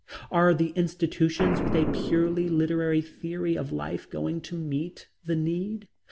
Are the institutions with a purely literary theory of life going to meet the need?